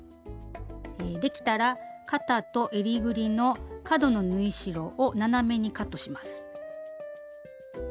できたら肩とえりぐりの角の縫い代を斜めにカットします。